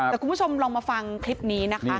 แต่คุณผู้ชมลองมาฟังคลิปนี้นะคะ